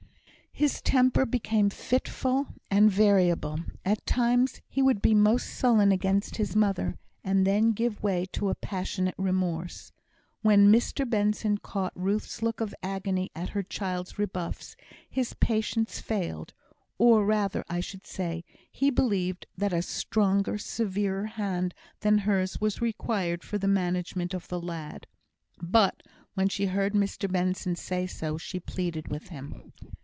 His temper became fitful and variable. At times he would be most sullen against his mother; and then give way to a passionate remorse. When Mr Benson caught Ruth's look of agony at her child's rebuffs, his patience failed; or rather, I should say, he believed that a stronger, severer hand than hers was required for the management of the lad. But, when she heard Mr Benson say so, she pleaded with him.